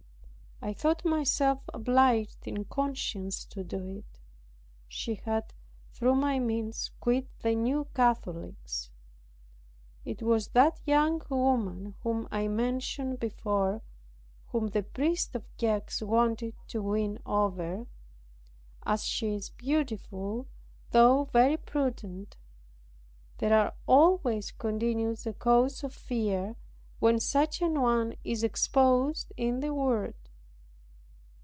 I thought myself obliged in conscience to do it. She had, through my means, quitted the New Catholics. It was that young woman whom I mentioned before, whom the priest of Gex wanted to win over. As she is beautiful, though very prudent, there always continues a cause for fear, when such an one is exposed in the world.